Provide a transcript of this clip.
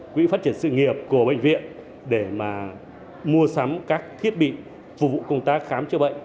quỹ phát triển sự nghiệp của bệnh viện để mà mua sắm các thiết bị phục vụ công tác khám chữa bệnh